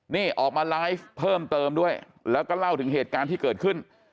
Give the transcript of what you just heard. นี่ออกมาไลฟ์เพิ่มเติมด้วยแล้วก็เล่าถึงเหตุการณ์ที่เกิดขึ้น